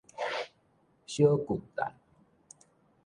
小巨蛋